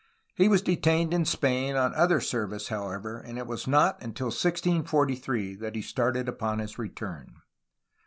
He was detained in Spain on other service, however, and it was not until 1643 that he started upon his return.